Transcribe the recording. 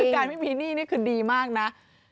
การไม่มีหนี้นี่คือดีมากนะ